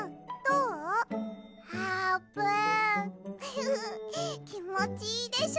フフフきもちいいでしょ！